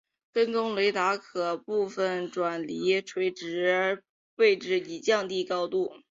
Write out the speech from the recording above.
跟踪雷达可部分转离垂直位置以降低高度。